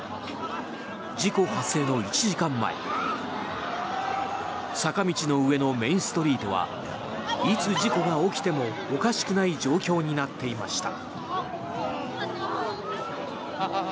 事故発生の１時間前坂道の上のメインストリートはいつ事故が起きてもおかしくない状況になっていました。